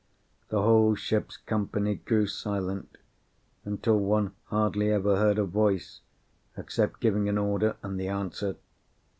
The whole ship's company grew silent, until one hardly ever heard a voice, except giving an order and the answer.